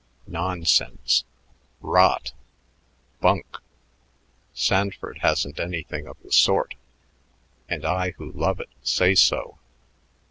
Nonsense! Rot! Bunk! Sanford hasn't anything of the sort, and I who love it say so.